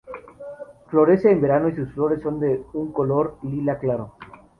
Florece en verano, y sus flores son de un color lila claro.